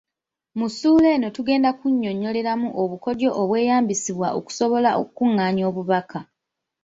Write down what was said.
Mu ssuula eno tugenda kunnyonnyoleramu obukodyo obweyambisibwa okusobola okukungaanya obubaka.